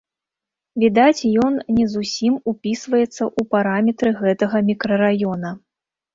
Відаць, ён не зусім упісваецца ў параметры гэтага мікрараёна.